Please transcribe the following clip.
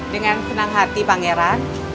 dengan senang hati pangeran